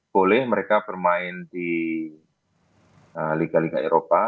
boleh mereka bermain di liga liga eropa